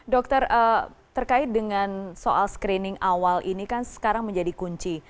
dokter terkait dengan soal screening awal ini kan sekarang menjadi kunci